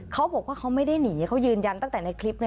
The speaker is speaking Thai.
เขาบอกว่าเขาไม่ได้หนีเขายืนยันตั้งแต่ในคลิป